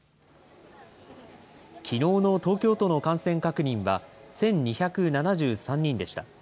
きのうの東京都の感染確認は１２７３人でした。